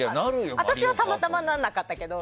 私はたまたまならなかったけど。